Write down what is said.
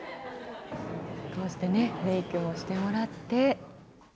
こうしてメークもしてもらって。